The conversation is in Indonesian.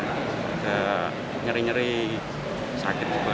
nggak nyeri nyeri sakit juga